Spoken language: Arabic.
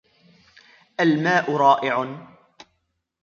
الماء رائع